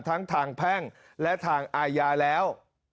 ทั้งทางแพ่งและทางอาญาแล้ว